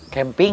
kamu dari mana